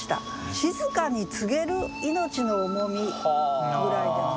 「静かに告げる命の重み」ぐらいでも。